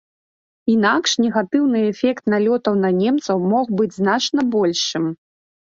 Інакш негатыўны эфект налётаў на немцаў мог быць значна большым.